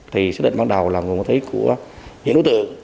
thì xác định ban đầu là nguồn ma túy của những đối tượng